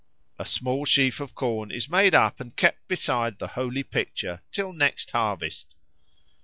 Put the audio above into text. A small sheaf of corn is made up and kept beside the holy picture till next harvest.